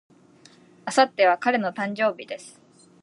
明後日は彼の誕生日です。